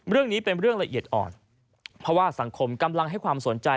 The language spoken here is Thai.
เรื่องนี้เป็นเรื่องละเอียดอ่อนเพราะว่าสังคมกำลังให้ความสนใจ